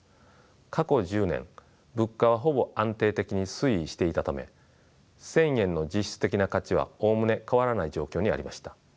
過去１０年物価はほぼ安定的に推移していたため１，０００円の実質的な価値はおおむね変わらない状況にありました。